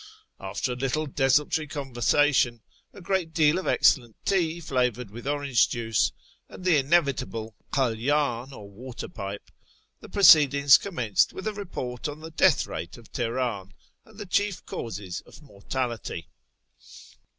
After a little desultory conversation, a gi'eat deal of excellent tea, flavoured with orange juice, and the inevitable kalydn, or water pipe, the proceedings commenced with a report on the death rate of Teheran, and the chief causes of mortality.